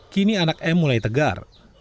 kini anak m mulai tegar